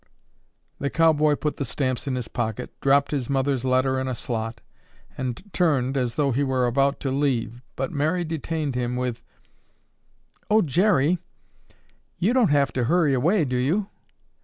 The cowboy put the stamps in his pocket, dropped his mother's letter in a slot, and turned, as though he were about to leave, but Mary detained him with: "Oh, Jerry, you don't have to hurry away, do you?